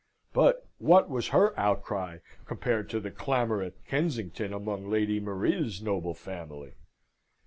But what was her outcry compared to the clamour at Kensington among Lady Maria's noble family?